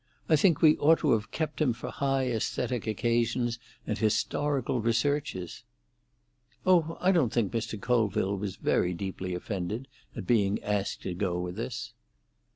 I think we ought to have kept him for high aesthetic occasions and historical researches." "Oh, I don't think Mr. Colville was very deeply offended at being asked to go with us."